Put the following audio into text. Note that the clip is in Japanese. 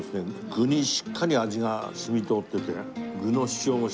具にしっかり味が染み通っていて具の主張もしましてですね美味しい。